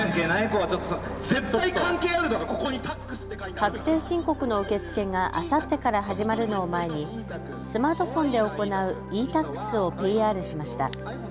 確定申告の受け付けがあさってから始まるのを前にスマートフォンで行うｅ−ＴａｘをＰＲしました。